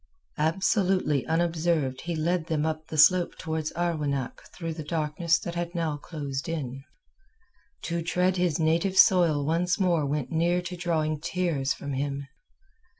Absolutely unobserved he led them up the slope towards Arwenack through the darkness that had now closed in. To tread his native soil once more went near to drawing tears from him.